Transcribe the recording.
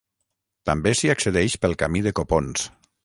També s'hi accedeix pel Camí de Copons.